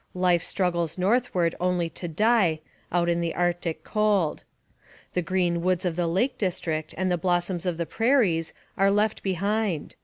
Life struggles northward only to die out in the Arctic cold. The green woods of the lake district and the blossoms of the prairies are left behind.